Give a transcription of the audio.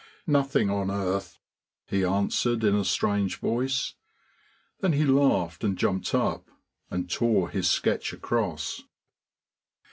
"Nothing on earth," he answered in a strange voice. Then he laughed and jumped up, and tore his sketch across.